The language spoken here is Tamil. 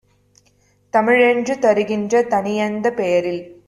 தமிழென்று தருகின்ற தனியந்தப் பெயரில்